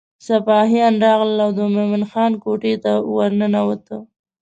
سپاهیان راغلل او د مومن خان کوټې ته ورننوته.